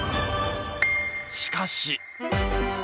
しかし！